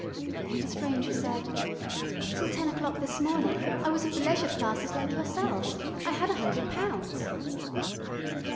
The Stranger said: "Up till ten o'clock this morning I was of the leisured classes like yourselves. I had a hundred pounds."